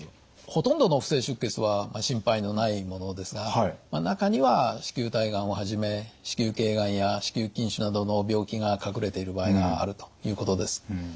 ほとんどの不正出血は心配のないものですが中には子宮体がんをはじめ子宮頸がんや子宮筋腫などの病気が隠れている場合があるということです。